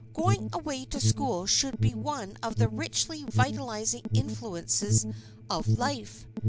Going away to school should be one of the richly vitalizing influences of life.